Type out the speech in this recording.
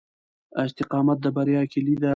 استقامت د بریا کیلي ده.